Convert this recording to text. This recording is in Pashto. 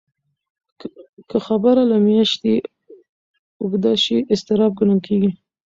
که خبره له میاشتې اوږده شي، اضطراب ګڼل کېږي.